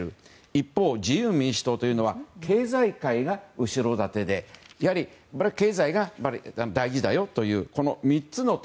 一方、自由民主党というのは経済界が後ろ盾で経済が大事だよというこの３つの党。